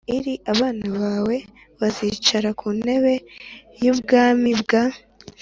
Iri abana bawe bazicara ku ntebe y ubwami bwa